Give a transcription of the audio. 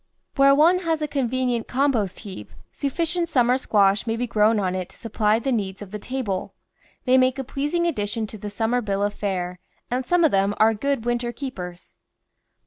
Where one has a convenient compost heap, sufficient summer squash may be grown on it to supply the needs of the table. They make a pleasing addition to the summer bill of fare, and some of them are good winter keepers.